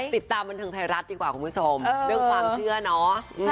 ติดตามบันเทิงไทยรัฐดีกว่าคุณผู้ชมเรื่องความเชื่อเนาะ